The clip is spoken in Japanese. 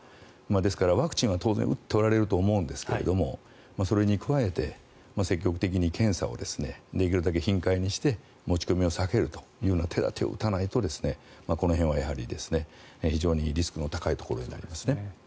ですから、ワクチンは当然打っておられると思うんですがそれに加えて、積極的に検査をできるだけ頻回にして持ち込みを避けるという手立てを打たないとこの辺は非常にリスクの高いところになります。